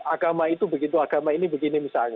agama itu begitu agama ini begini misalnya